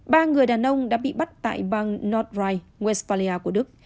ba người đàn ông đã bị bắt tại bang nordreit westphalia của đức